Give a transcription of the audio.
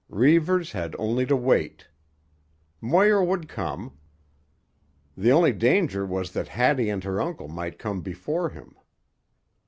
Reivers had only to wait. Moir would come. The only danger was that Hattie and her uncle might come before him.